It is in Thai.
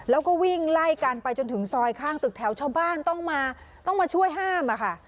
แล้วก็วิ่งไล่กันไปจนถึงซอยข้างตึกแถวชาวบ้านต้องมาต้องมาช่วยห้ามอะค่ะ